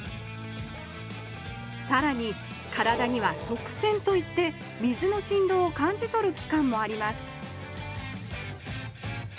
さらに体には側線といって水のしんどうを感じ取る器官もあります